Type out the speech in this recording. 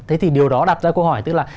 thế thì điều đó đặt ra câu hỏi tức là